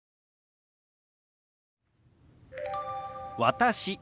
「私」。